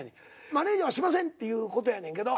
マネージャーはしませんっていうことやねんけど。